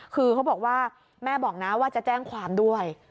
คือเขาบอกว่าแม่บอกนะว่าจะแจ้งความด้วย